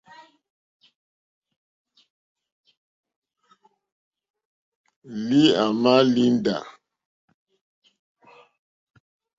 Lǐǃáámà líndǎ.